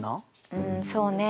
うんそうね。